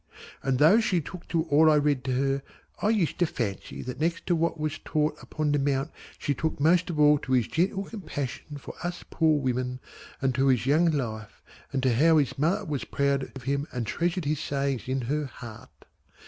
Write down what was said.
And though she took to all I read to her, I used to fancy that next to what was taught upon the Mount she took most of all to His gentle compassion for us poor women and to His young life and to how His mother was proud of Him and treasured His sayings in her heart.